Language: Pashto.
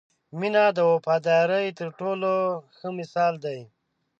• مینه د وفادارۍ تر ټولو ښه مثال دی.